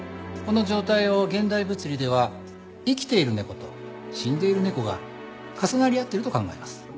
この状態を現代物理では生きている猫と死んでいる猫が重なり合ってると考えます。